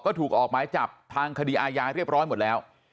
ก็ถูกออกหมายจับทางคดีอาญาเรียบร้อยหมดแล้ว